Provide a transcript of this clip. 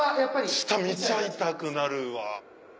下見ちゃいたくなるわ。